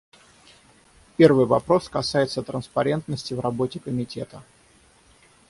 Первый вопрос касается транспарентности в работе Комитета.